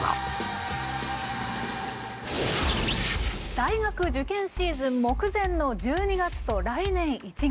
大学受験シーズン目前の１２月と来年１月。